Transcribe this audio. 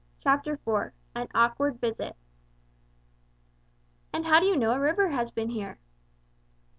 IV AN AWKWARD VISIT "And how do you know a river has been here?"